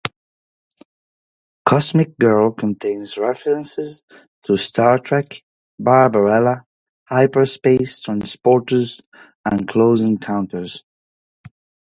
"Cosmic Girl" contains references to "Star Trek", "Barbarella", hyperspace, transporters, and "close encounters".